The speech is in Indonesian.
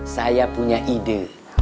saya punya ide